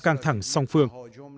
căng thẳng song phương